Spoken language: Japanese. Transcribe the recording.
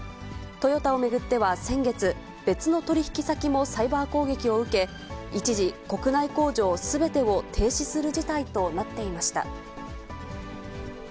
トヨタを巡っては先月、別の取り引き先もサイバー攻撃を受け、一時、国内工場すべてを停止する事態となっていました。